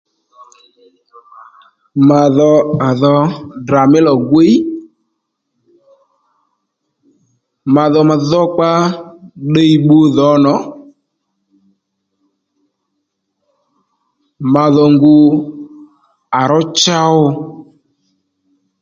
Ma dho à dho Ddrà mí lò gwiy ma dho ma dhokpa ó ddiy bbu à dhò ma dho ngu à ró chow